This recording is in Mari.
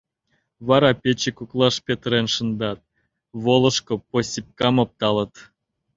Вара пече коклаш петырен шындат, волышко посипкам опталыт.